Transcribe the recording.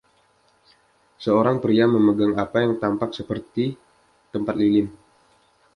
Seorang pria memegang apa yang tampak seperti tempat lilin.